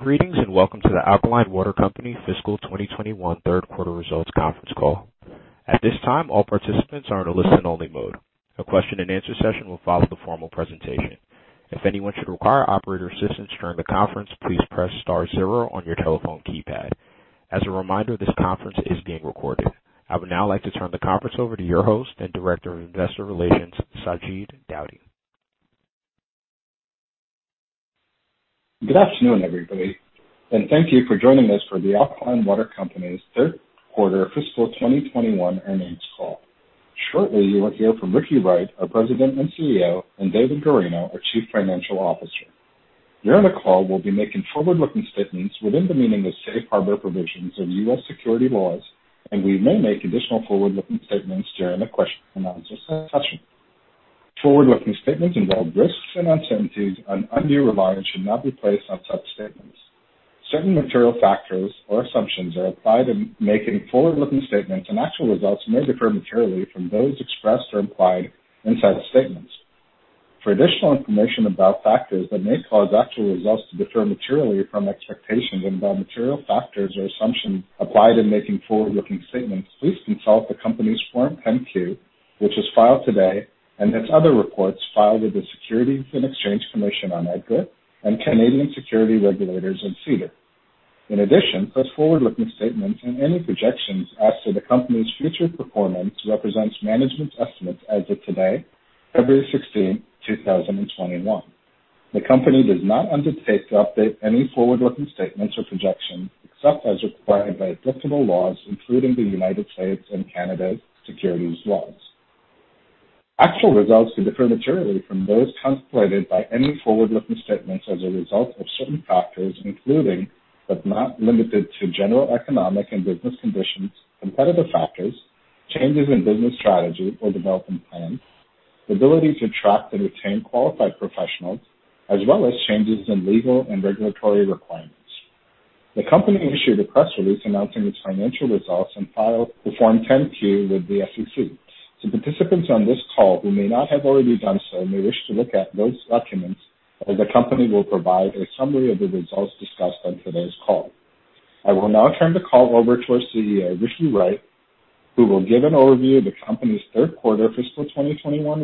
Greetings, and welcome to The Alkaline Water Company fiscal 2021 third quarter results conference call. At this time, all participants are in a listen-only mode. A question and answer session will follow the formal presentation. If anyone should require operator assistance during the conference, please press star zero on your telephone keypad. As a reminder, this conference is being recorded. I would now like to turn the conference over to your host and director of investor relations, Sajid Daudi. Good afternoon, everybody, and thank you for joining us for The Alkaline Water Company's third quarter fiscal 2021 earnings call. Shortly, you will hear from Ricky Wright, our President and CEO, and David Guarino, our Chief Financial Officer. During the call, we'll be making forward-looking statements within the meaning of safe harbor provisions of U.S. securities laws, and we may make additional forward-looking statements during the question and answer session. Forward-looking statements involve risks and uncertainties, and undue reliance should not be placed on such statements. Certain material factors or assumptions are applied in making forward-looking statements, and actual results may differ materially from those expressed or implied inside the statements. For additional information about factors that may cause actual results to differ materially from expectations and about material factors or assumptions applied in making forward-looking statements, please consult the company's Form 10-Q, which is filed today, and its other reports filed with the Securities and Exchange Commission on EDGAR, and Canadian security regulators in SEDAR. Such forward-looking statements and any projections as to the company's future performance represents management estimates as of today, February 16th, 2021. The company does not undertake to update any forward-looking statements or projections, except as required by applicable laws, including the United States and Canada securities laws. Actual results could differ materially from those contemplated by any forward-looking statements as a result of certain factors, including, but not limited to, general economic and business conditions, competitive factors, changes in business strategy or development plans, the ability to attract and retain qualified professionals, as well as changes in legal and regulatory requirements. The company issued a press release announcing its financial results and filed the Form 10-Q with the SEC. Participants on this call who may not have already done so may wish to look at those documents as the company will provide a summary of the results discussed on today's call. I will now turn the call over to our CEO, Ricky Wright, who will give an overview of the company's third quarter fiscal 2021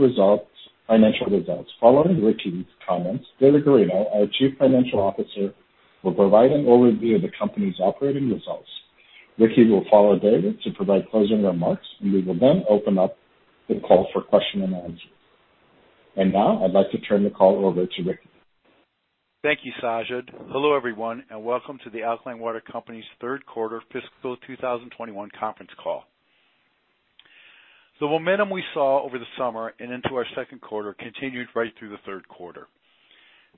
financial results. Following Ricky's comments, David Guarino, our chief financial officer, will provide an overview of the company's operating results. Ricky will follow David to provide closing remarks. We will then open up the call for question and answer. Now, I'd like to turn the call over to Ricky. Thank you, Sajid. Hello, everyone, and welcome to The Alkaline Water Company's third quarter fiscal 2021 conference call. The momentum we saw over the summer and into our second quarter continued right through the third quarter.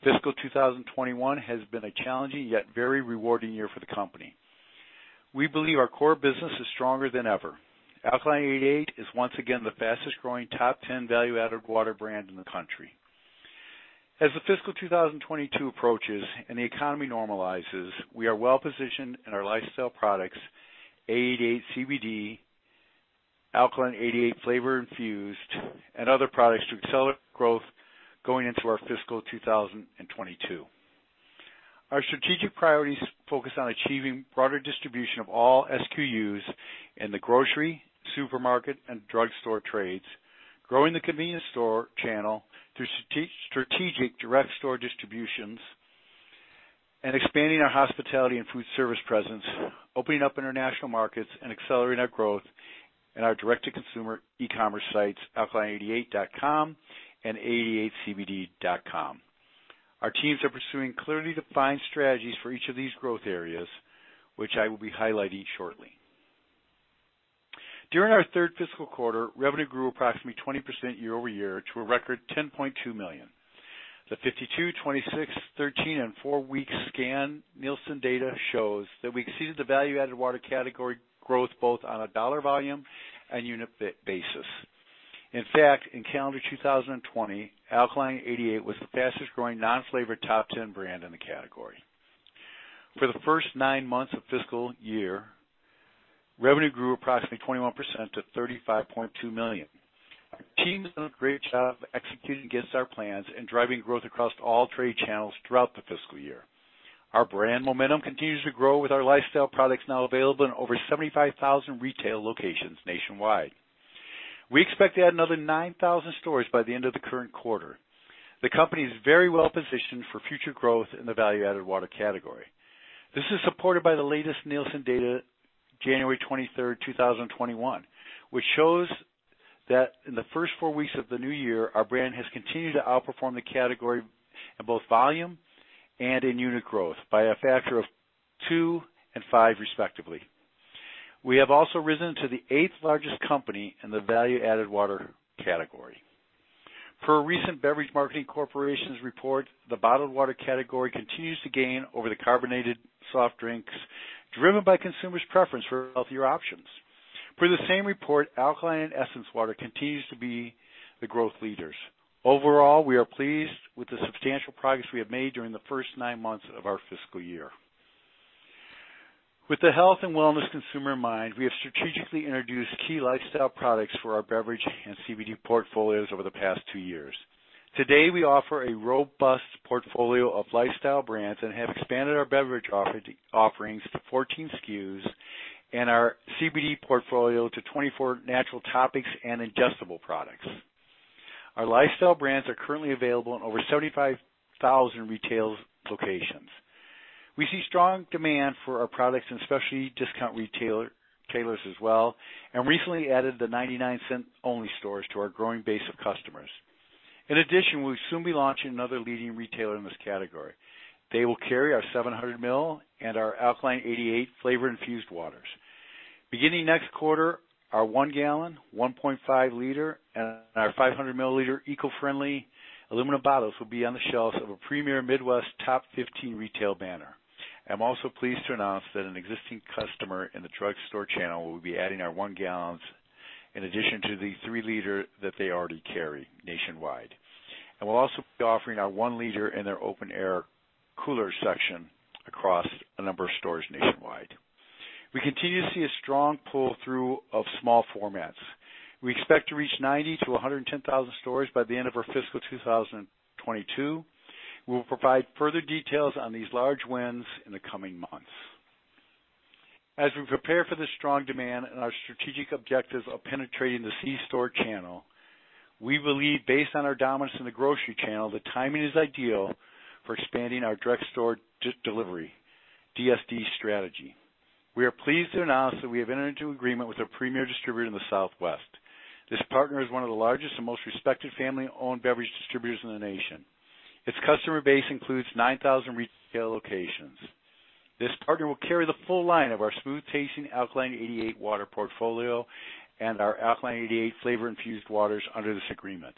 Fiscal 2021 has been a challenging yet very rewarding year for the company. We believe our core business is stronger than ever. Alkaline88 is once again the fastest growing top 10 value-added water brand in the country. As the fiscal 2022 approaches and the economy normalizes, we are well-positioned in our lifestyle products, A88CBD, Alkaline88 Flavor Infused, and other products to excel at growth going into our fiscal 2022. Our strategic priorities focus on achieving broader distribution of all SKUs in the grocery, supermarket, and drugstore trades, growing the convenience store channel through strategic direct store distributions, and expanding our hospitality and food service presence, opening up international markets, and accelerating our growth in our direct-to-consumer e-commerce sites, alkaline88.com and A88CBD.com. Our teams are pursuing clearly defined strategies for each of these growth areas, which I will be highlighting shortly. During our third fiscal quarter, revenue grew approximately 20% year-over-year to a record $10.2 million. The 52, 26, 13, and four-week scan Nielsen data shows that we exceeded the value-added water category growth both on a dollar volume and unit basis. In fact, in calendar 2020, Alkaline88 was the fastest growing non-flavored top 10 brand in the category. For the first nine months of fiscal year, revenue grew approximately 21% to $35.2 million. Our teams have done a great job of executing against our plans and driving growth across all trade channels throughout the fiscal year. Our brand momentum continues to grow with our lifestyle products now available in over 75,000 retail locations nationwide. We expect to add another 9,000 stores by the end of the current quarter. The company is very well positioned for future growth in the value-added water category. This is supported by the latest Nielsen data January 23rd, 2021, which shows that in the first four weeks of the new year, our brand has continued to outperform the category in both volume and in unit growth by a factor of 2% and 5%, respectively. We have also risen to the eighth largest company in the value-added water category. Per a recent Beverage Marketing Corporation's report, the bottled water category continues to gain over the carbonated soft drinks, driven by consumers' preference for healthier options. Per the same report, alkaline essence water continues to be the growth leaders. Overall, we are pleased with the substantial progress we have made during the first nine months of our fiscal year. With the health and wellness consumer in mind, we have strategically introduced key lifestyle products for our beverage and CBD portfolios over the past two years. Today, we offer a robust portfolio of lifestyle brands and have expanded our beverage offerings to 14 SKUs and our CBD portfolio to 24 natural topicals and ingestible products. Our lifestyle brands are currently available in over 75,000 retail locations. We see strong demand for our products in specialty discount retailers as well, and recently added the 99 Cents Only Stores to our growing base of customers. We'll soon be launching another leading retailer in this category. They will carry our 700 mL and our Alkaline88 flavor-infused waters. Beginning next quarter, our 1 gal, 1.5 L, and our 500 mL eco-friendly aluminum bottles will be on the shelves of a premier Midwest top 15 retail banner. I'm also pleased to announce that an existing customer in the drugstore channel will be adding our 1 gal in addition to the 3 L that they already carry nationwide. We'll also be offering our 1 L in their open air cooler section across a number of stores nationwide. We continue to see a strong pull-through of small formats. We expect to reach 90,000 to 110,000 stores by the end of our fiscal 2022. We will provide further details on these large wins in the coming months. As we prepare for this strong demand and our strategic objectives of penetrating the C-store channel, we believe based on our dominance in the grocery channel, the timing is ideal for expanding our direct store delivery, DSD strategy. We are pleased to announce that we have entered into agreement with a premier distributor in the Southwest. This partner is one of the largest and most respected family-owned beverage distributors in the nation. Its customer base includes 9,000 retail locations. This partner will carry the full line of our smooth-tasting Alkaline88 water portfolio and our Alkaline88 flavor-infused waters under this agreement.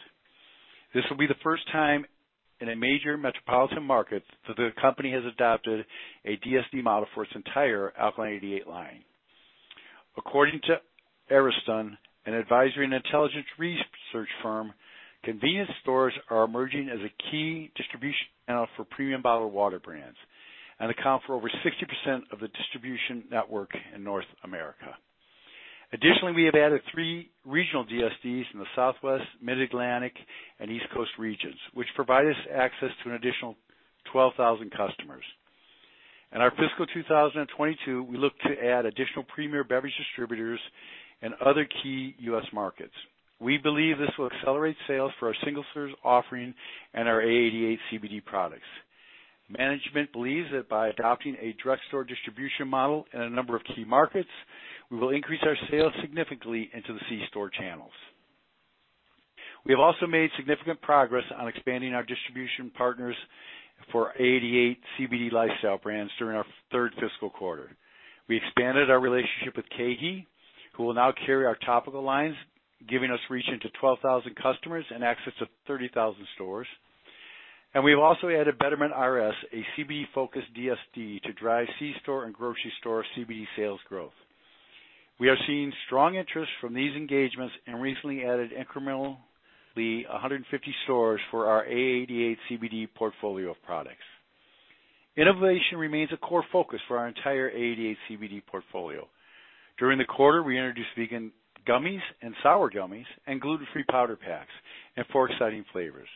This will be the first time in a major metropolitan market that the company has adopted a DSD model for its entire Alkaline88 line. According to Euromonitor, an advisory and intelligence research firm, convenience stores are emerging as a key distribution channel for premium bottled water brands and account for over 60% of the distribution network in North America. We have added three regional DSDs in the Southwest, Mid-Atlantic, and East Coast regions, which provide us access to an additional 12,000 customers. In our fiscal 2022, we look to add additional premier beverage distributors in other key U.S. markets. We believe this will accelerate sales for our single-serve offering and our A88CBD products. Management believes that by adopting a direct store distribution model in a number of key markets, we will increase our sales significantly into the C-store channels. We have also made significant progress on expanding our distribution partners for A88CBD lifestyle brands during our third fiscal quarter. We expanded our relationship with KeHE, who will now carry our topical lines, giving us reach into 12,000 customers and access to 30,000 stores. We've also added Betterment RS, a CBD-focused DSD, to drive C-store and grocery store CBD sales growth. We are seeing strong interest from these engagements and recently added incrementally 150 stores for our A88CBD portfolio of products. Innovation remains a core focus for our entire A88CBD portfolio. During the quarter, we introduced vegan gummies and sour gummies and gluten-free powder packs in four exciting flavors.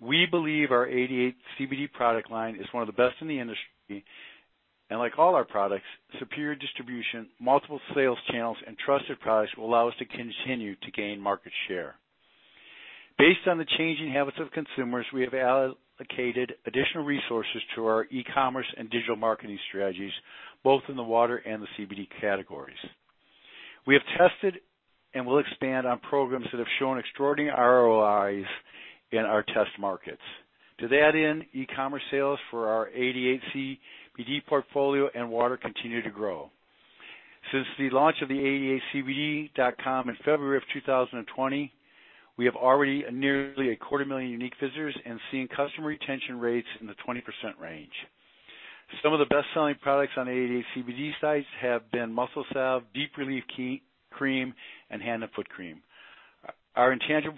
We believe our A88CBD product line is one of the best in the industry, and like all our products, superior distribution, multiple sales channels, and trusted products will allow us to continue to gain market share. Based on the changing habits of consumers, we have allocated additional resources to our e-commerce and digital marketing strategies, both in the water and the CBD categories. We have tested and will expand on programs that have shown extraordinary ROIs in our test markets. To that end, e-commerce sales for our A88CBD portfolio and water continue to grow. Since the launch of a88cbd.com in February of 2020, we have already nearly a quarter million unique visitors and seeing customer retention rates in the 20% range. Some of the best-selling products on A88CBD sites have been Muscle Salve, Deep Relief Cream, and Hand & Foot Cream. Our ingestible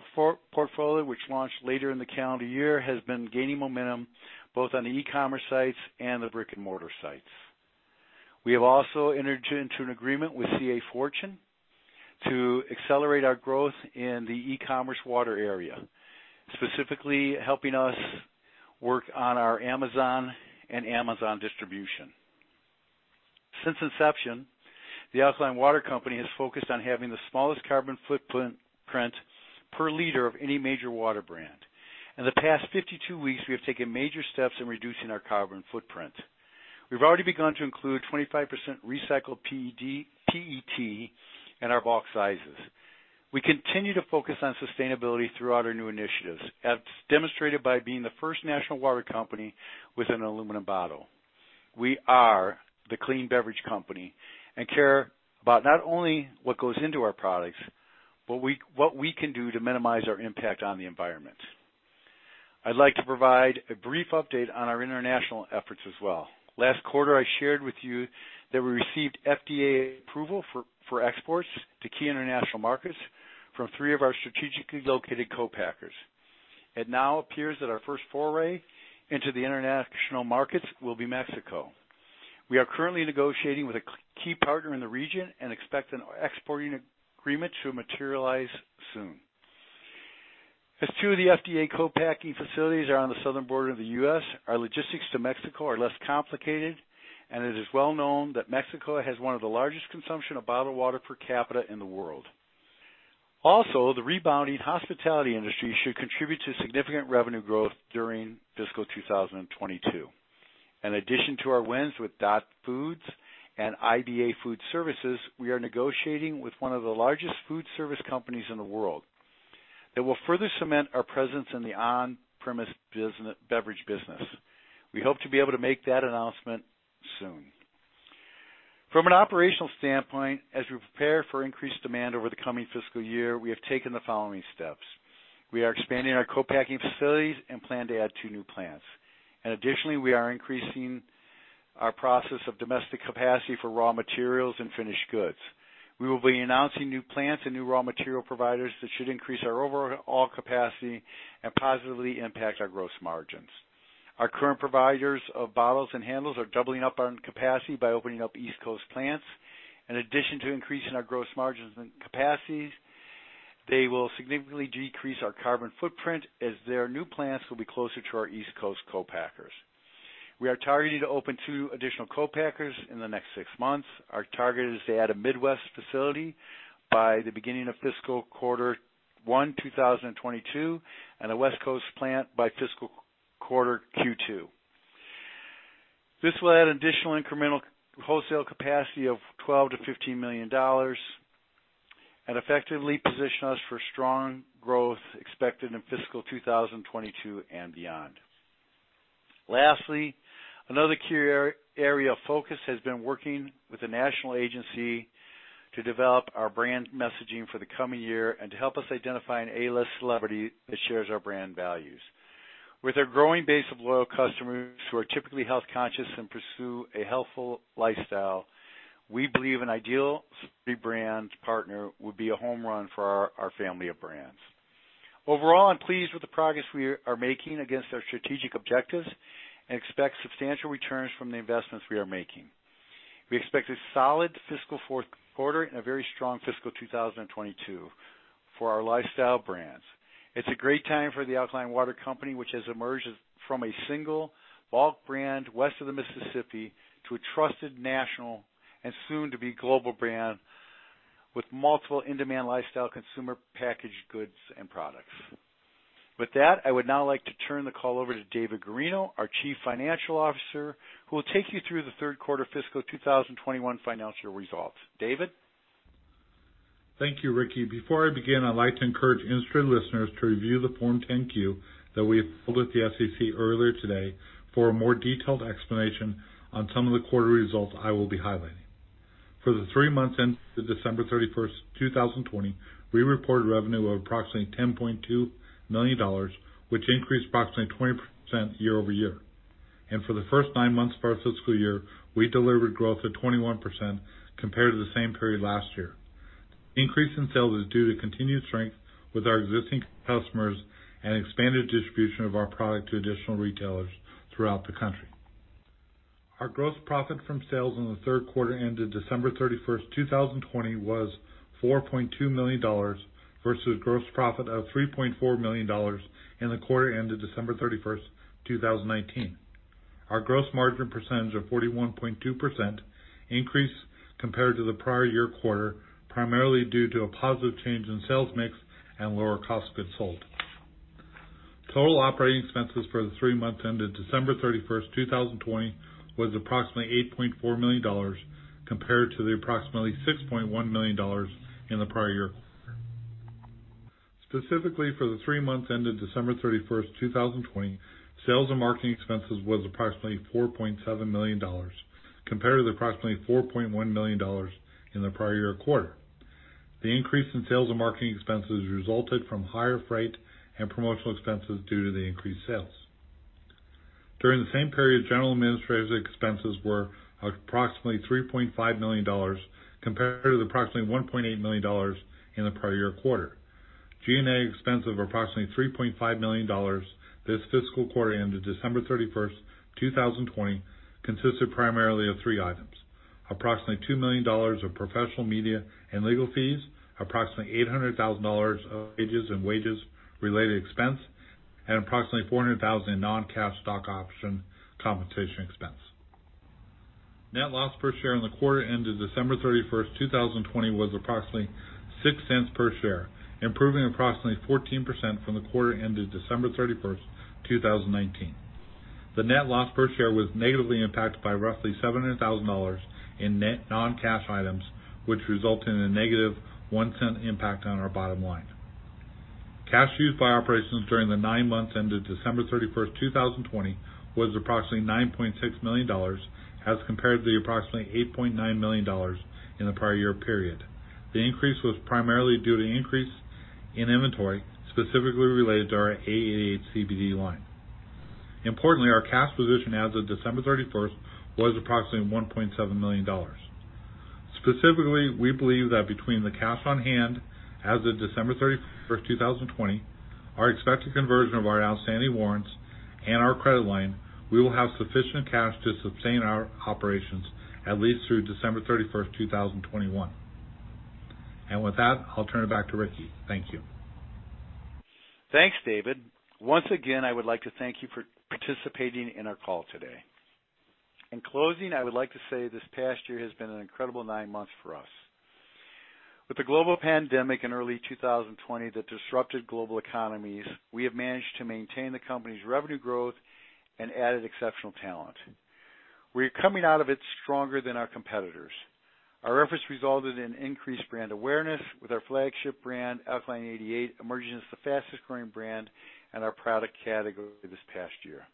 portfolio, which launched later in the calendar year, has been gaining momentum both on the e-commerce sites and the brick-and-mortar sites. We have also entered into an agreement with C.A. Fortune to accelerate our growth in the e-commerce water area, specifically helping us work on our Amazon and Amazon distribution. Since inception, The Alkaline Water Company has focused on having the smallest carbon footprint per liter of any major water brand. In the past 52 weeks, we have taken major steps in reducing our carbon footprint. We've already begun to include 25% recycled PET in our box sizes. We continue to focus on sustainability throughout our new initiatives, as demonstrated by being the first national water company with an aluminum bottle. We are the clean beverage company and care about not only what goes into our products, but what we can do to minimize our impact on the environment. I'd like to provide a brief update on our international efforts as well. Last quarter, I shared with you that we received FDA approval for exports to key international markets from three of our strategically located co-packers. It now appears that our first foray into the international markets will be Mexico. We are currently negotiating with a key partner in the region and expect an exporting agreement to materialize soon. As two of the FDA co-packing facilities are on the southern border of the U.S., our logistics to Mexico are less complicated, and it is well known that Mexico has one of the largest consumption of bottled water per capita in the world. The rebounding hospitality industry should contribute to significant revenue growth during fiscal 2022. In addition to our wins with Dot Foods and IBA Foodservice, we are negotiating with one of the largest food service companies in the world that will further cement our presence in the on-premise beverage business. We hope to be able to make that announcement soon. From an operational standpoint, as we prepare for increased demand over the coming fiscal year, we have taken the following steps. We are expanding our co-packing facilities and plan to add two new plants. Additionally, we are increasing our process of domestic capacity for raw materials and finished goods. We will be announcing new plants and new raw material providers that should increase our overall capacity and positively impact our gross margins. Our current providers of bottles and handles are doubling up on capacity by opening up East Coast plants. In addition to increasing our gross margins and capacities, they will significantly decrease our carbon footprint as their new plants will be closer to our East Coast co-packers. We are targeting to open two additional co-packers in the next six months. Our target is to add a Midwest facility by the beginning of fiscal quarter one 2022, and a West Coast plant by fiscal quarter Q2. This will add additional incremental wholesale capacity of $12 million to $15 million and effectively position us for strong growth expected in fiscal 2022 and beyond. Lastly, another key area of f ocus has been working with a national agency to develop our brand messaging for the coming year and to help us identify an A-list celebrity that shares our brand values. With our growing base of loyal customers who are typically health-conscious and pursue a healthful lifestyle, we believe an ideal celebrity brand partner would be a home run for our family of brands. Overall, I'm pleased with the progress we are making against our strategic objectives and expect substantial returns from the investments we are making. We expect a solid fiscal fourth quarter and a very strong fiscal 2022 for our lifestyle brands. It's a great time for The Alkaline Water Company, which has emerged from a single bulk brand west of the Mississippi to a trusted national and soon-to-be global brand with multiple in-demand lifestyle consumer packaged goods and products. With that, I would now like to turn the call over to David Guarino, our chief financial officer, who will take you through the third quarter fiscal 2021 financial results. David? Thank you, Ricky. Before I begin, I'd like to encourage industry listeners to review the Form 10-Q that we filed with the SEC earlier today for a more detailed explanation on some of the quarter results I will be highlighting. For the three months ended December 31, 2020, we reported revenue of approximately $10.2 million, which increased approximately 20% year-over-year. For the first nine months of our fiscal year, we delivered growth of 21% compared to the same period last year. Increase in sales is due to continued strength with our existing customers and expanded distribution of our product to additional retailers throughout the country. Our gross profit from sales in the third quarter ended December 31st, 2020, was $4.2 million versus gross profit of $3.4 million in the quarter ended December 31st, 2019. Our gross margin percentage of 41.2% increase compared to the prior year quarter, primarily due to a positive change in sales mix and lower cost of goods sold. Total operating expenses for the three months ended December 31st, 2020, was approximately $8.4 million compared to the approximately $6.1 million in the prior year. Specifically for the three months ended December 31st, 2020, sales and marketing expenses was approximately $4.7 million compared to the approximately $4.1 million in the prior year quarter. The increase in sales and marketing expenses resulted from higher freight and promotional expenses due to the increased sales. During the same period, general and administrative expenses were approximately $3.5 million, compared to the approximately $1.8 million in the prior year quarter. G&A expense of approximately $3.5 million this fiscal quarter ended December 31st, 2020, consisted primarily of three items. Approximately $2 million of professional media and legal fees, approximately $800,000 of wages and wage-related expense, and approximately $400,000 in non-cash stock option compensation expense. Net loss per share in the quarter ended December 31st, 2020, was approximately $0.06 per share, improving approximately 14% from the quarter ended December 31st, 2019. The net loss per share was negatively impacted by roughly $700,000 in net non-cash items, which resulted in a negative $0.01 impact on our bottom line. Cash used by operations during the nine months ended December 31st, 2020, was approximately $9.6 million as compared to the approximately $8.9 million in the prior year period. The increase was primarily due to increase in inventory, specifically related to our A88CBD line. Importantly, our cash position as of December 31st was approximately $1.7 million. Specifically, we believe that between the cash on hand as of December 31st, 2020, our expected conversion of our outstanding warrants, and our credit line, we will have sufficient cash to sustain our operations at least through December 31st, 2021. With that, I'll turn it back to Ricky. Thank you. Thanks, David. Once again, I would like to thank you for participating in our call today. In closing, I would like to say this past year has been an incredible nine months for us. With the global pandemic in early 2020 that disrupted global economies, we have managed to maintain the company's revenue growth and added exceptional talent. We are coming out of it stronger than our competitors. Our efforts resulted in increased brand awareness with our flagship brand, Alkaline88, emerging as the fastest growing brand in our product category this past year.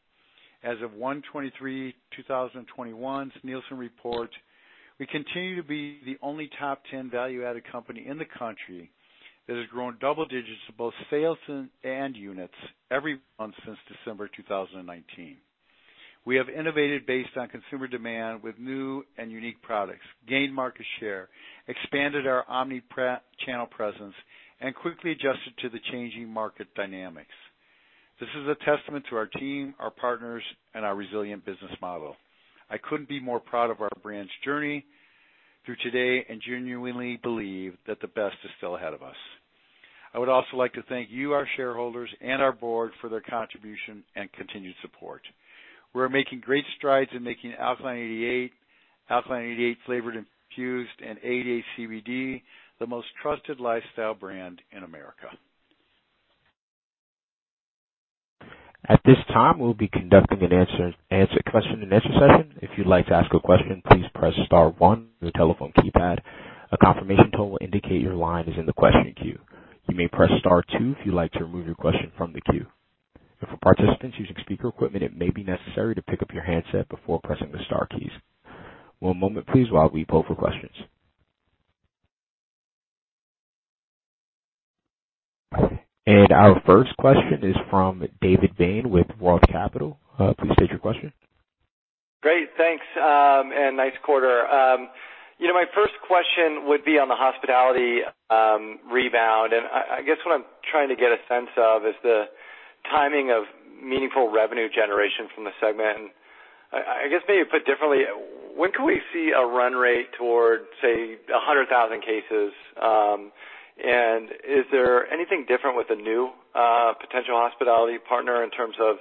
As of 1/23/2021's Nielsen report, we continue to be the only top 10 value-added company in the country that has grown double digits to both sales and units every month since December 2019. We have innovated based on consumer demand with new and unique products, gained market share, expanded our omni-channel presence, and quickly adjusted to the changing market dynamics. This is a testament to our team, our partners, and our resilient business model. I couldn't be more proud of our brand's journey through today and genuinely believe that the best is still ahead of us. I would also like to thank you, our shareholders, and our board for their contribution and continued support. We're making great strides in making Alkaline88, Alkaline88 Flavor Infused, and A88CBD the most trusted lifestyle brand in America. At this time, we'll be conducting a question and answer session. If you'd like to ask a question, please press star one on your telephone keypad. A confirmation tone will indicate your line is in the question queue. You may press star two if you'd like to remove your question from the queue. For participants using speaker equipment, it may be necessary to pick up your handset before pressing the star keys. One moment, please, while we poll for questions. Our first question is from David Bain with ROTH Capital. Please state your question. Great. Thanks, nice quarter. My first question would be on the hospitality rebound. I guess what I'm trying to get a sense of is the timing of meaningful revenue generation from the segment. I guess maybe put differently, when can we see a run rate toward, say, 100,000 cases? Is there anything different with the new potential hospitality partner in terms of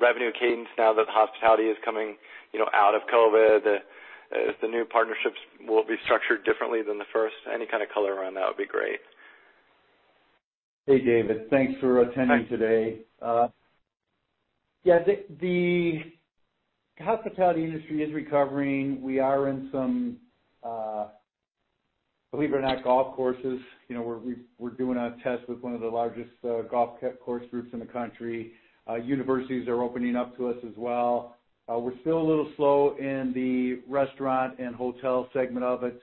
revenue cadence now that hospitality is coming out of COVID? If the new partnerships will be structured differently than the first. Any kind of color around that would be great. Hey, David. Thanks for attending today. Yeah, the hospitality industry is recovering. We are in some, believe it or not, golf courses. We're doing a test with one of the largest golf course groups in the country. Universities are opening up to us as well. We're still a little slow in the restaurant and hotel segment of it.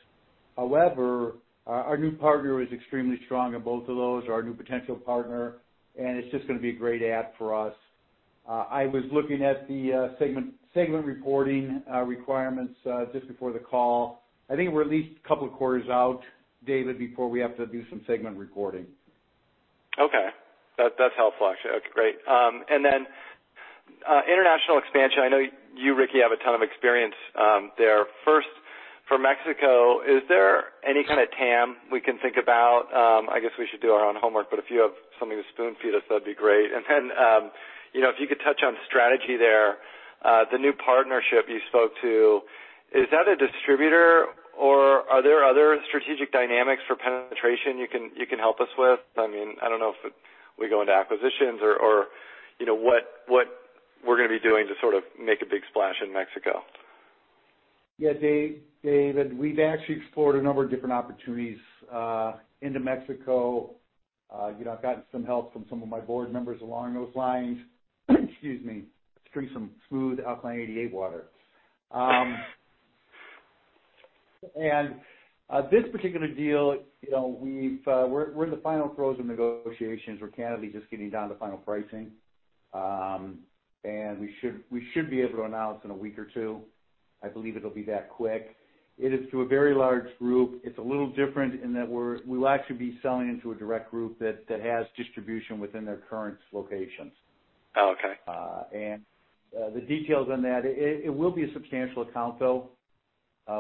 Our new partner is extremely strong in both of those, our new potential partner, and it's just going to be a great add for us. I was looking at the segment reporting requirements just before the call. I think we're at least a couple of quarters out, David, before we have to do some segment reporting. Okay. That's helpful, actually. Okay, great. International expansion. I know you, Ricky, have a ton of experience there. First, for Mexico, is there any kind of TAM we can think about? I guess we should do our own homework, but if you have something to spoon feed us, that'd be great. If you could touch on strategy there. The new partnership you spoke to, is that a distributor or are there other strategic dynamics for penetration you can help us with? I don't know if we go into acquisitions or what we're going to be doing to sort of make a big splash in Mexico. Yeah, David, we've actually explored a number of different opportunities into Mexico. I've gotten some help from some of my board members along those lines. Excuse me. Let's drink some smooth Alkaline88 water. This particular deal, we're in the final throes of negotiations. We're candidly just getting down to final pricing. We should be able to announce in a week or two. I believe it'll be that quick. It is through a very large group. It's a little different in that we'll actually be selling into a direct group that has distribution within their current locations. Oh, okay. The details on that, it will be a substantial account, though,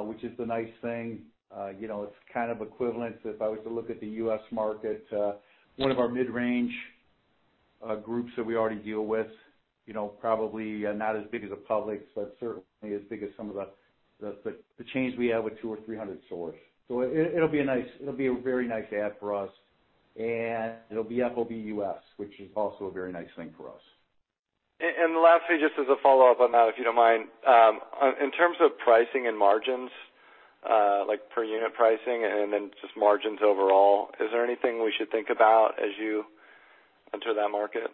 which is the nice thing. It's kind of equivalent to, if I was to look at the U.S. market, one of our mid-range groups that we already deal with. Probably not as big as a Publix, but certainly as big as some of the chains we have with 200 or 300 stores. It'll be a very nice add for us, and it'll be FOB U.S., which is also a very nice thing for us. Lastly, just as a follow-up on that, if you don't mind. In terms of pricing and margins, like per unit pricing and then just margins overall, is there anything we should think about as you enter that market?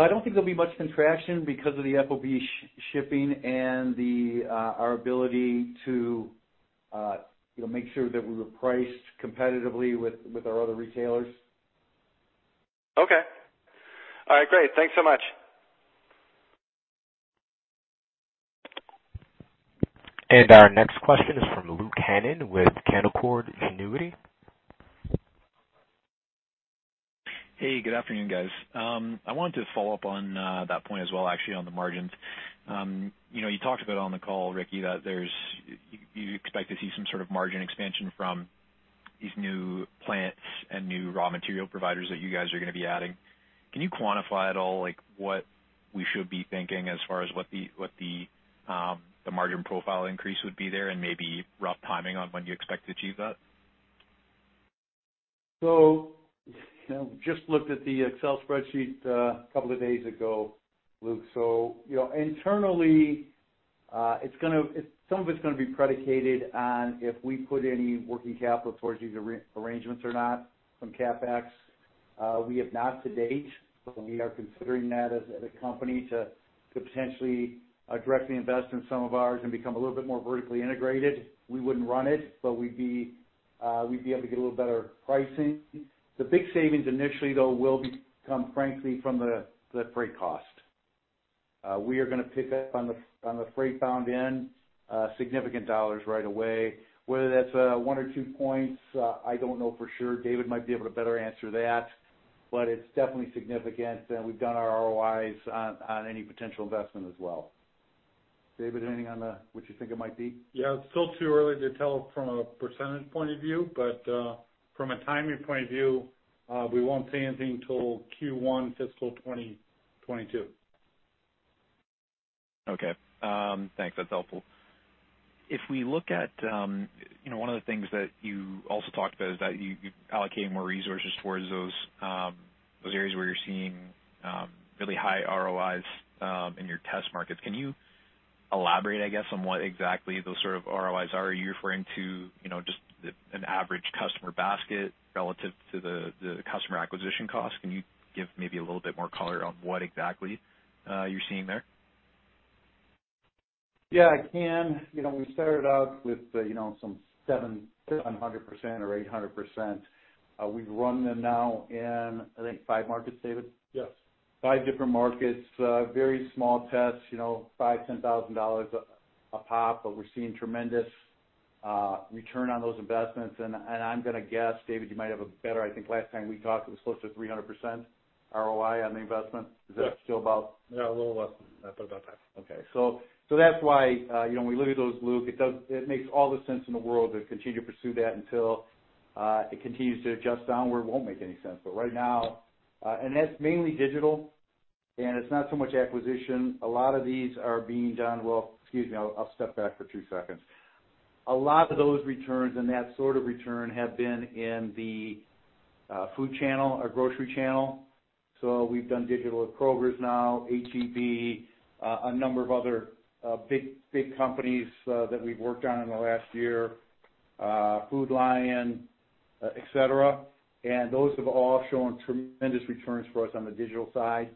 I don't think there'll be much contraction because of the FOB shipping and our ability to make sure that we were priced competitively with our other retailers. Okay. All right, great. Thanks so much. Our next question is from Luke Hannan with Canaccord Genuity. Hey, good afternoon, guys. I wanted to follow up on that point as well, actually, on the margins. You talked about on the call, Ricky, that you expect to see some sort of margin expansion from these new plants and new raw material providers that you guys are going to be adding. Can you quantify at all what we should be thinking as far as what the margin profile increase would be there and maybe rough timing on when you expect to achieve that? Just looked at the Excel spreadsheet a couple of days ago, Luke. Internally, some of it's going to be predicated on if we put any working capital towards these arrangements or not from CapEx. We have not to date, but we are considering that as a company to potentially directly invest in some of ours and become a little bit more vertically integrated. We wouldn't run it, but we'd be able to get a little better pricing. The big savings initially, though, will become frankly from the freight cost. We are going to pick up on the freight bound end, significant dollars right away. Whether that's one or two points, I don't know for sure. David might be able to better answer that, but it's definitely significant and we've done our ROIs on any potential investment as well. David, anything on what you think it might be? Yeah, it's still too early to tell from a percentage point of view, but from a timing point of view, we won't see anything till Q1 fiscal 2022. Okay. Thanks. That's helpful. One of the things that you also talked about is that you're allocating more resources towards those areas where you're seeing really high ROIs in your test markets. Can you elaborate, I guess, on what exactly those sort of ROIs are? Are you referring to just an average customer basket relative to the customer acquisition cost? Can you give maybe a little bit more color on what exactly you're seeing there? Yeah, I can. We started out with some 700% or 800%. We've run them now in, I think five markets, David? Yes. Five different markets. Very small tests, $5,000, $10,000 a pop, but we're seeing tremendous return on those investments. I'm going to guess, David, you might have a better I think last time we talked, it was close to 300% ROI on the investment. Is that still about? Yeah, a little less, but about that. Okay. That's why when we look at those, Luke, it makes all the sense in the world to continue to pursue that until it continues to adjust downward. It won't make any sense. Right now, that's mainly digital, and it's not so much acquisition. A lot of these are being done, excuse me, I'll step back for two seconds. A lot of those returns and that sort of return have been in the food channel or grocery channel. We've done digital with Kroger now, H-E-B, a number of other big companies that we've worked on in the last year, Food Lion, et cetera. Those have all shown tremendous returns for us on the digital side.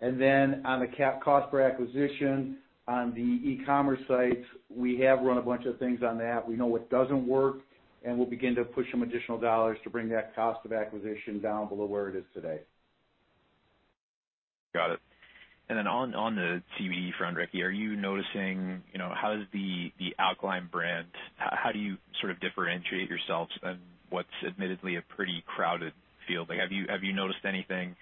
On the cost per acquisition on the e-commerce sites, we have run a bunch of things on the app. We know what doesn't work, and we'll begin to push some additional dollars to bring that cost of acquisition down below where it is today. Got it. On the CBD front, Ricky, are you noticing, how does the Alkaline brand, how do you sort of differentiate yourselves in what's admittedly a pretty crowded field? Have you noticed anything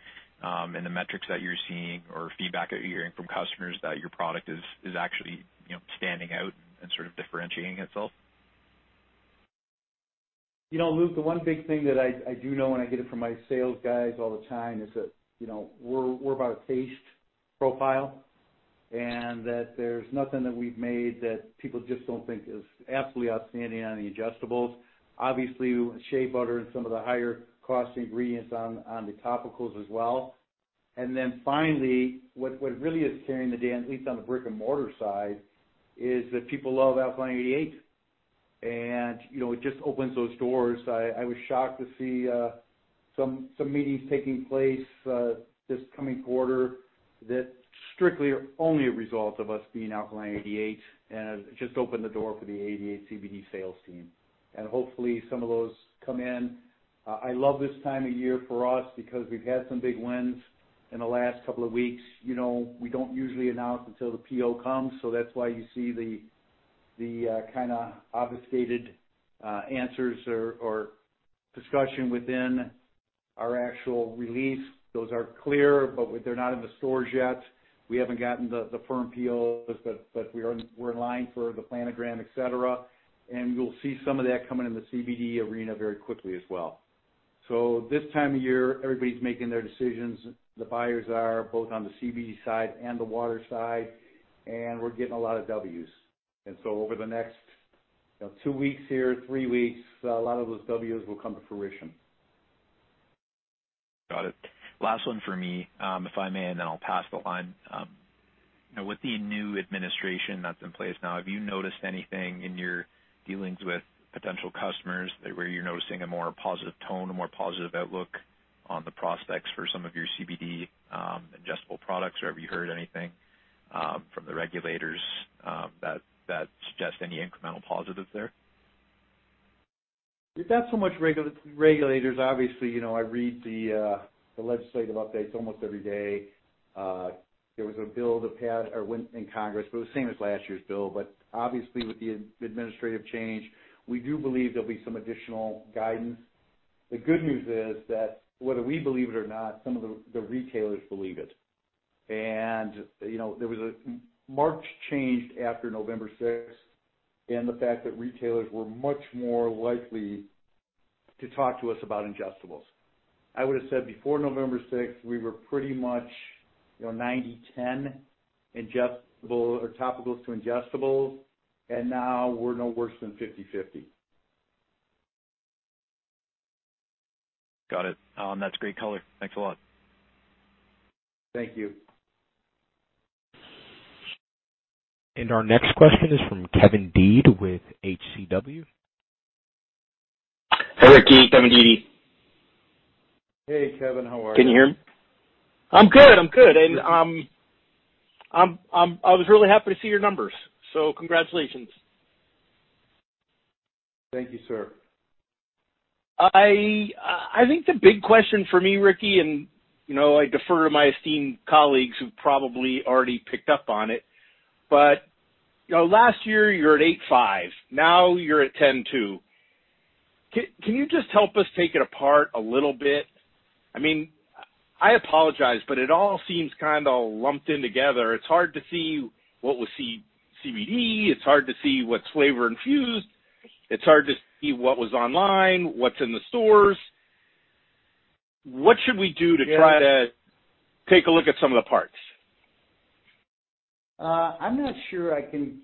in the metrics that you're seeing or feedback that you're hearing from customers that your product is actually standing out and sort of differentiating itself? Luke, the one big thing that I do know. I get it from my sales guys all the time, is that we're about a taste profile. There's nothing that we've made that people just don't think is absolutely outstanding on the ingestibles. Obviously, shea butter and some of the higher cost ingredients on the topicals as well. Finally, what really is carrying the day, at least on the brick-and-mortar side, is that people love Alkaline88. It just opens those doors. I was shocked to see some meetings taking place this coming quarter that's strictly only a result of us being Alkaline88. It just opened the door for the 88 CBD sales team. Hopefully, some of those come in. I love this time of year for us because we've had some big wins in the last couple of weeks. We don't usually announce until the PO comes, so that's why you see the kind of obfuscated answers or discussion within our actual release. Those are clear, but they're not in the stores yet. We haven't gotten the firm POs, but we're in line for the planogram, et cetera. You'll see some of that coming in the CBD arena very quickly as well. This time of year, everybody's making their decisions. The buyers are, both on the CBD side and the water side, and we're getting a lot of Ws. Over the next two weeks here, three weeks, a lot of those Ws will come to fruition. Got it. Last one from me, if I may, and then I'll pass the line. With the new administration that's in place now, have you noticed anything in your dealings with potential customers where you're noticing a more positive tone, a more positive outlook on the prospects for some of your CBD ingestible products? Have you heard anything from the regulators that suggest any incremental positives there? It's not so much regulators. Obviously, I read the legislative updates almost every day. There was a bill that went in Congress. Well, the same as last year's bill, but obviously with the administrative change, we do believe there'll be some additional guidance. The good news is that whether we believe it or not, some of the retailers believe it. There was a marked change after November 6th in the fact that retailers were much more likely to talk to us about ingestibles. I would've said before November 6th, we were pretty much, 90/10 ingestible or topicals to ingestibles, and now we're no worse than 50/50. Got it. That's great color. Thanks a lot. Thank you. Our next question is from Kevin Dede with HCW. Hey, Ricky. Kevin Dede. Hey, Kevin. How are you? Can you hear me? I'm good. I was really happy to see your numbers. Congratulations. Thank you, sir. I think the big question for me, Ricky, and I defer to my esteemed colleagues who probably already picked up on it, but last year, you were at $8.5 million. Now you're at $10.2 million. Can you just help us take it apart a little bit? I apologize, but it all seems kind of all lumped in together. It's hard to see what was CBD. It's hard to see what's flavor-infused. It's hard to see what was online, what's in the stores. What should we do to try to take a look at some of the parts? I'm not sure I can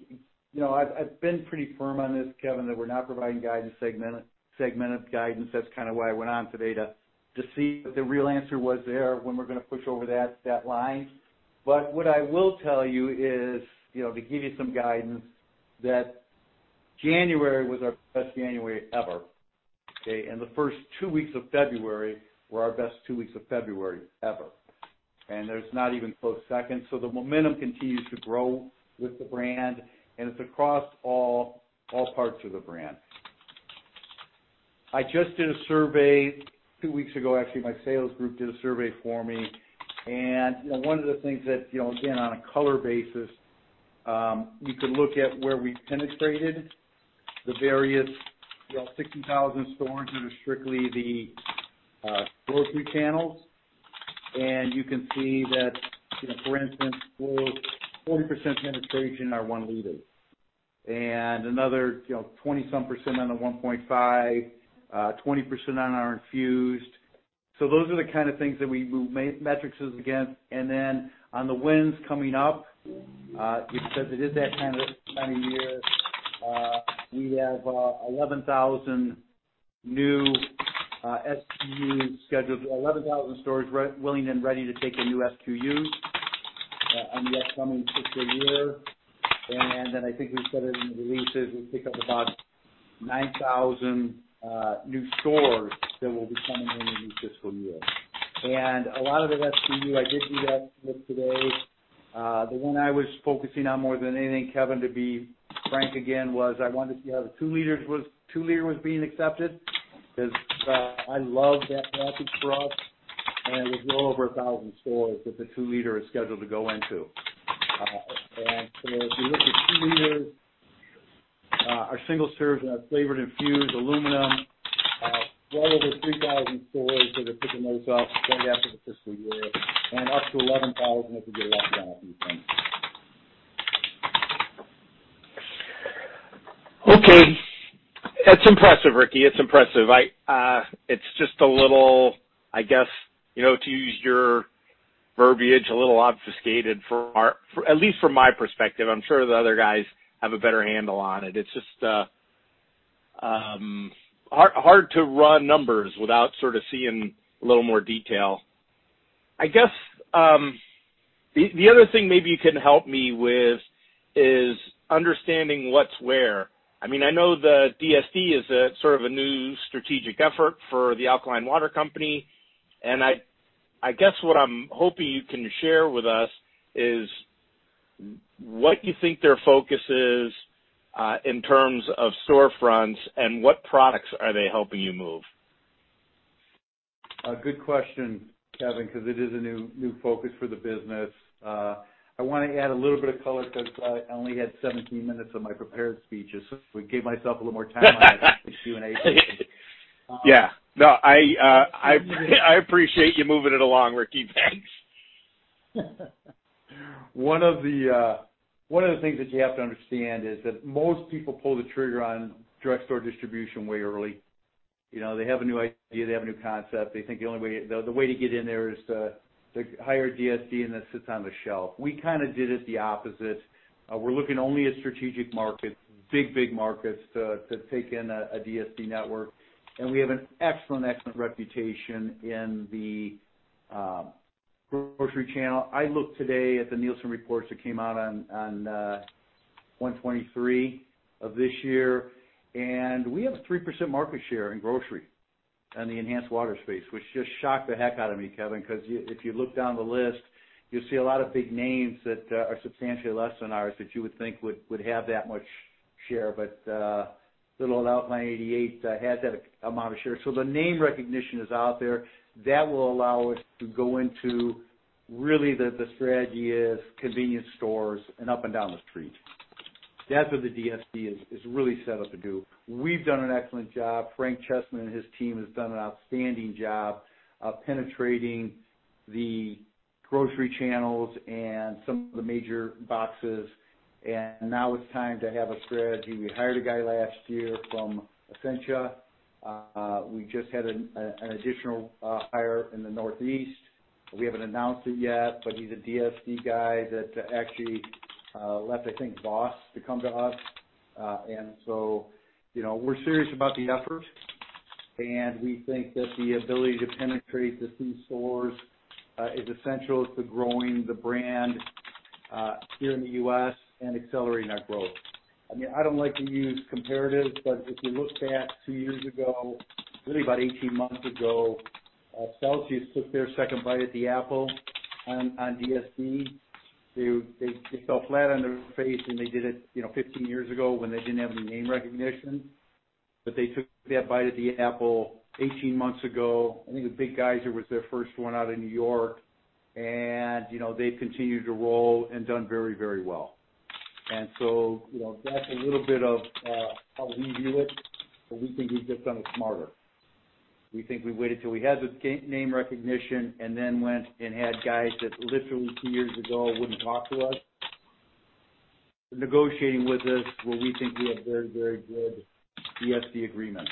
I've been pretty firm on this, Kevin, that we're not providing segmented guidance. That's kind of why I went on today to see if the real answer was there, when we're gonna push over that line. What I will tell you is, to give you some guidance, that January was our best January ever, okay. The first two weeks of February were our best two weeks of February ever. There's not even close second. The momentum continues to grow with the brand, and it's across all parts of the brand. I just did a survey two weeks ago. Actually, my sales group did a survey for me, and one of the things that, again, on a color basis, you can look at where we penetrated the various 60,000 stores under strictly the grocery channels. You can see that, for instance, 40% penetration are 1 L, and another some 20% on the 1.5 L, 20% on our infused. Those are the kind of things that we move metrics against. On the winds coming up, because it is that time of year, we have 11,000 new SKUs scheduled, 11,000 stores willing and ready to take a new SKU on the upcoming fiscal year. I think we said it in the releases, we pick up about 9,000 new stores that will be coming in in the fiscal year. A lot of the SKU, I did do that today. The one I was focusing on more than anything, Kevin, to be frank again, was I wanted to see how the 2 L was being accepted, because I love that package for us. There's a little over 1,000 stores that the 2 L is scheduled to go into. If you look at 2 L, our single serves and our flavored infused aluminum, well over 3,000 stores that are picking those up going after the fiscal year. Okay. That's impressive, Ricky. It's impressive. It's just a little, I guess, to use your verbiage, a little obfuscated at least from my perspective. I'm sure the other guys have a better handle on it. It's just hard to run numbers without sort of seeing a little more detail. I guess, the other thing maybe you can help me with is understanding what's where. I know the DSD is sort of a new strategic effort for The Alkaline Water Company, and I guess what I'm hoping you can share with us is what you think their focus is, in terms of storefronts, and what products are they helping you move? A good question, Kevin, because it is a new focus for the business. I want to add a little bit of color because I only had 17 minutes of my prepared speech, as if we gave myself a little more time on the Q&A session. Yeah. No, I appreciate you moving it along, Ricky. Thanks. One of the things that you have to understand is that most people pull the trigger on direct store distribution way early. They have a new idea. They have a new concept. They think the way to get in there is to hire DSD, and that sits on the shelf. We kind of did it the opposite. We're looking only at strategic markets, big markets, to take in a DSD network, and we have an excellent reputation in the grocery channel. I looked today at the Nielsen reports that came out on 1/23 of this year, and we have a 3% market share in grocery on the enhanced water space, which just shocked the heck out of me, Kevin, because if you look down the list, you'll see a lot of big names that are substantially less than ours that you would think would have that much share. Little old Alkaline88 has that amount of share. The name recognition is out there. That will allow us to go into, really the strategy is convenience stores and up and down the street. That's what the DSD is really set up to do. We've done an excellent job. Frank Chessman and his team has done an outstanding job of penetrating the grocery channels and some of the major boxes, and now it's time to have a strategy. We hired a guy last year from Essentia. We just had an additional hire in the Northeast. We haven't announced it yet, but he's a DSD guy that actually left, I think, Voss to come to us. We're serious about the effort, and we think that the ability to penetrate the C-stores is essential to growing the brand here in the U.S. and accelerating our growth. I don't like to use comparatives, but if you look back two years ago, really about 18 months ago, Celsius took their second bite at the apple on DSD. They fell flat on their face, and they did it 15 years ago when they didn't have any name recognition. They took that bite at the apple 18 months ago. I think the Big Geyser was their first one out in New York, and they've continued to roll and done very well. That's a little bit of how we view it, but we think we've just done it smarter. We think we waited till we had the name recognition and then went and had guys that literally two years ago wouldn't talk to us, negotiating with us where we think we have very good DSD agreements.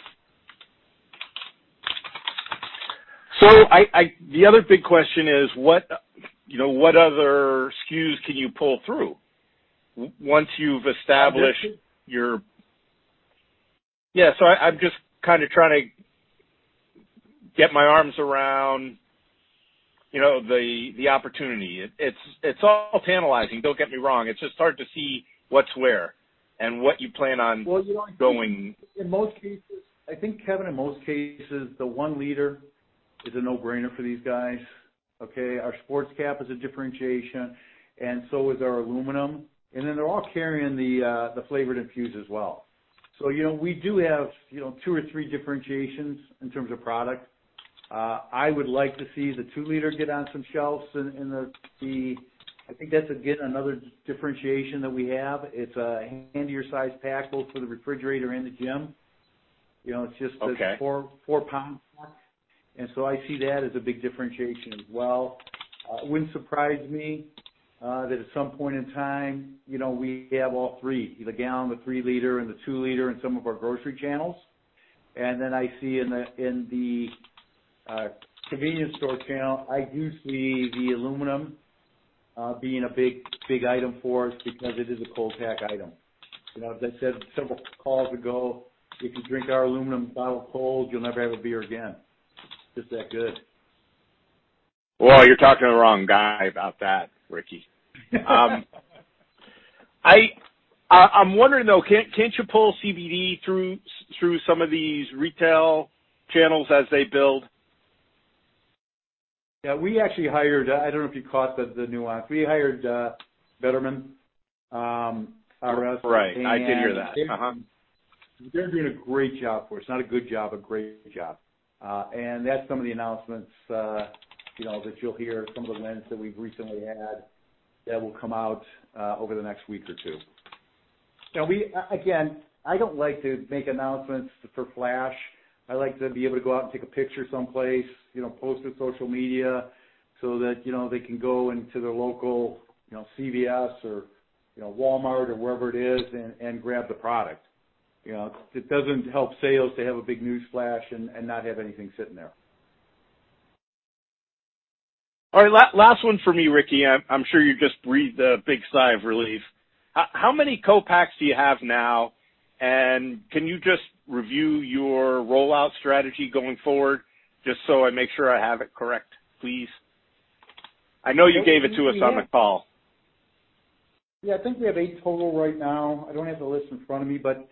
The other big question is what other SKUs can you pull through once you've established your. Yeah. I'm just kind of trying to get my arms around the opportunity. It's all tantalizing, don't get me wrong. It's just hard to see what's where and what you plan on going. Well, I think, Kevin, in most cases, the 1 L is a no-brainer for these guys. Okay? Our sports cap is a differentiation. So is our aluminum. They're all carrying the Flavored Infuse as well. We do have two or three differentiations in terms of product. I would like to see the 2 L get on some shelves. I think that's, again, another differentiation that we have. It's a handier size pack, both for the refrigerator and the gym. Okay. It's just this four-pack. I see that as a big differentiation as well. It wouldn't surprise me that at some point in time, we have all three, the gallon, the 3 L, and the 2 L in some of our grocery channels. I see in the convenience store channel, I do see the aluminum being a big item for us because it is a cold pack item. As I said several calls ago, if you drink our aluminum bottle cold, you'll never have a beer again. It's just that good. Well, you're talking to the wrong guy about that, Ricky. I'm wondering, though, can't you pull CBD through some of these retail channels as they build? Yeah, we actually hired, I don't know if you caught the nuance, we hired BettermentRS. Right. I did hear that. Uh-huh. They're doing a great job for us. Not a good job, a great job. That's some of the announcements, that you'll hear some of the wins that we've recently had that will come out over the next week or two. Again, I don't like to make announcements for flash. I like to be able to go out and take a picture someplace, post it social media so that they can go into their local CVS or Walmart or wherever it is, and grab the product. It doesn't help sales to have a big news flash and not have anything sitting there. All right, last one for me, Ricky. I'm sure you just breathed a big sigh of relief. How many co-packs do you have now, and can you just review your rollout strategy going forward, just so I make sure I have it correct, please? I know you gave it to us on the call. Yeah. I think we have eight total right now. I don't have the list in front of me, but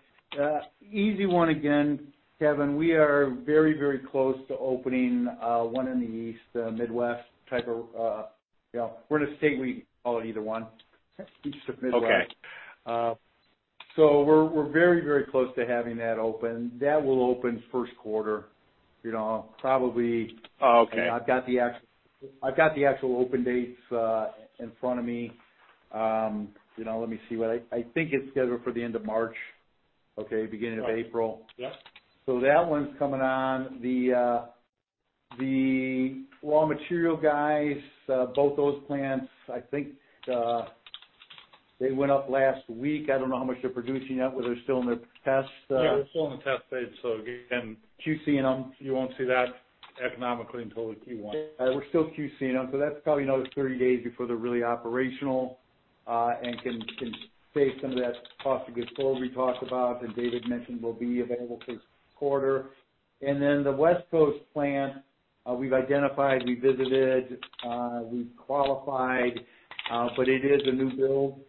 easy one again, Kevin, we are very close to opening one in the East, Midwest. Just the Midwest. Okay. We're very close to having that open. That will open first quarter. Oh, okay. I've got the actual open dates in front of me. Let me see what I think it's scheduled for the end of March. Okay? Beginning of April. Yep. That one's coming on. The raw material guys, both those plants, I think, they went up last week. I don't know how much they're producing yet, but they're still in their test- Yeah, they're still in the test phase, so again- QC-ing them. you won't see that economically until the Q1. We're still QC-ing them, that's probably another 30 days before they're really operational, and can save some of that cost of goods sold we talked about, that David mentioned will be available first quarter. The West Coast plant, we've identified, we visited, we've qualified, but it is a new build.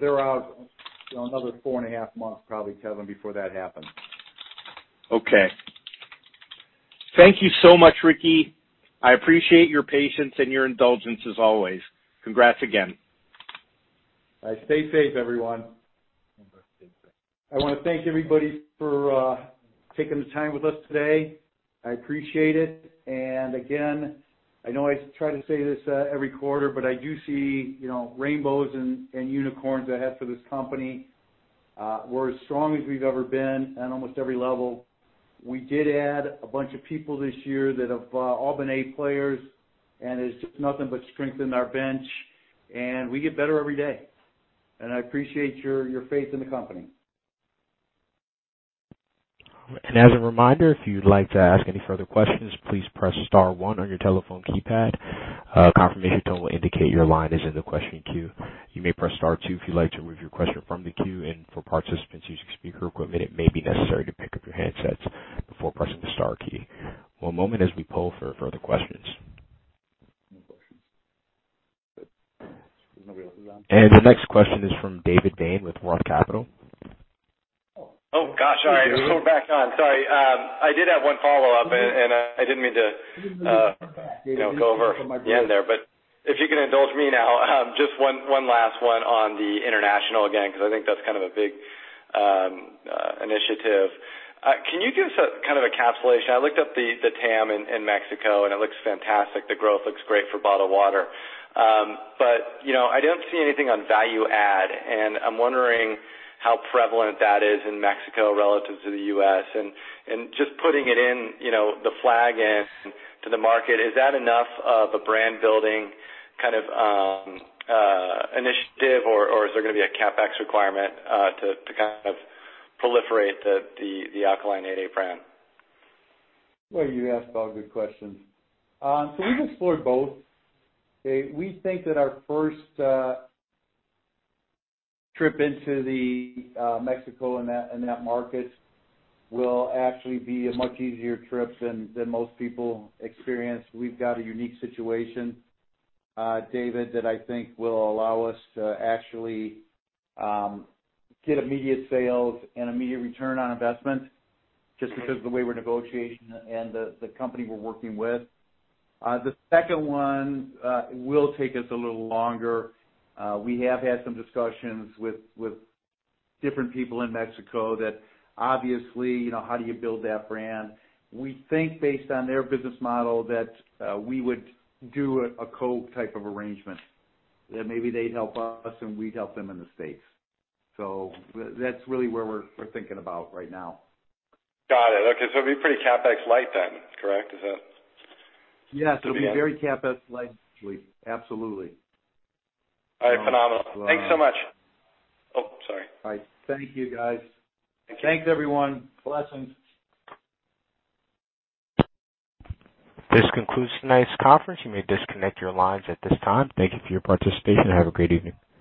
They're out another four and a half months, probably, Kevin, before that happens. Okay. Thank you so much, Ricky. I appreciate your patience and your indulgence, as always. Congrats again. All right. Stay safe, everyone. I want to thank everybody for taking the time with us today. I appreciate it. Again, I know I try to say this every quarter, but I do see rainbows and unicorns ahead for this company. We're as strong as we've ever been on almost every level. We did add a bunch of people this year that have all been A players, and it's just nothing but strength in our bench, and we get better every day. I appreciate your faith in the company. As a reminder, if you'd like to ask any further questions, please press star one on your telephone keypad. A confirmation tone will indicate your line is in the question queue. You may press star two if you'd like to remove your question from the queue. For participants using speaker equipment, it may be necessary to pick up your handsets before pressing the star key. One moment as we poll for further questions. No questions. Nobody else is on. The next question is from David Bain with Roth Capital. Oh, gosh, all right. We're back on. Sorry. I did have one follow-up, and I didn't mean to go over again there. If you can indulge me now, just one last one on the international again, because I think that's kind of a big initiative. Can you give us a kind of a capsulation? I looked up the TAM in Mexico, and it looks fantastic. The growth looks great for bottled water. I don't see anything on value add, and I'm wondering how prevalent that is in Mexico relative to the U.S. and just putting it in, the flag in to the market, is that enough of a brand-building kind of initiative, or is there going to be a CapEx requirement to kind of proliferate the Alkaline88 brand? Well, you ask all good questions. We've explored both. We think that our first trip into Mexico and that market will actually be a much easier trip than most people experience. We've got a unique situation, David, that I think will allow us to actually get immediate sales and immediate return on investment, just because of the way we're negotiating and the company we're working with. The second one will take us a little longer. We have had some discussions with different people in Mexico that obviously, how do you build that brand? We think, based on their business model, that we would do a co-type of arrangement, that maybe they'd help us, and we'd help them in the States. That's really where we're thinking about right now. Got it. Okay, it'll be pretty CapEx-light then, correct? Is that Yes, it'll be very CapEx-light. Absolutely. All right. Phenomenal. Thanks so much. Oh, sorry. All right. Thank you, guys. Thanks, everyone. Blessings. This concludes tonight's conference. You may disconnect your lines at this time. Thank you for your participation, and have a great evening.